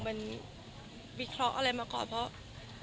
มีขรอกอะไรมาก่อนเพราะ